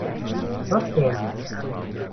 Was denn?